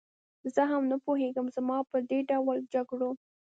زه هم نه پوهېږم، زما په دې ډول جګړو.